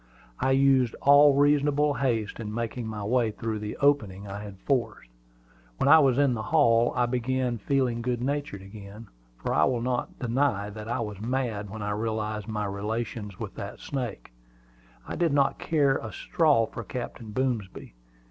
I used all reasonable haste in making my way through the opening I had forced. When I was in the hall, I began to feel good natured again; for I will not deny that I was mad when I realized my relations with that snake. I did not care a straw for Captain Boomsby.